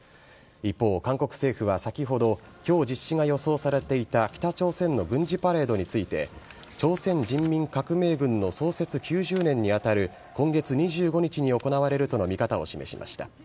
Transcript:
一方、韓国政府は先ほど今日、実施が予想されていた北朝鮮の軍事パレードについて朝鮮人民革命軍の創設９０年に当たる今月２５日に行われるとの見方を示しました。